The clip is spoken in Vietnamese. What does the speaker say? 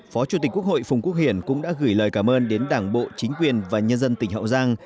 phó chủ tịch quốc hội phùng quốc hiển cũng đã gửi lời cảm ơn đến đảng bộ chính quyền và nhân dân tỉnh hậu giang